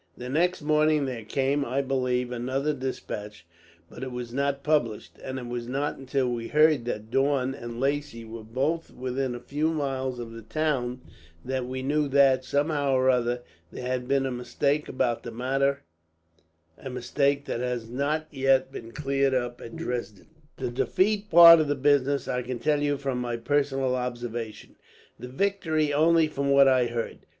The next morning there came, I believe, another despatch, but it was not published; and it was not until we heard that Daun and Lacy were both within a few miles of the town that we knew that, somehow or other, there had been a mistake about the matter, a mistake that has not yet been cleared up, at Dresden." "The defeat part of the business I can tell you from my personal observation, the victory only from what I heard.